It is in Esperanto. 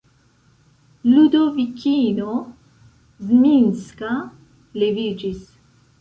Ludovikino Zminska leviĝis.